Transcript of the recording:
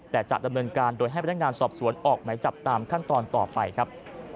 แต่จะดำเนินการโดยให้พนักงานสอบสวนออกไหมจับตามขั้นตอนต่อไปครับ